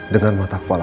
dengan mata kepala